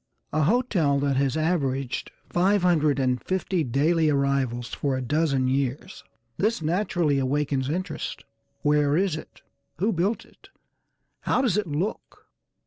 A hotel that has averaged five hundred and fifty daily arrivals for a dozen years. This naturally awakens interest; where is it? Who built it? How does it look?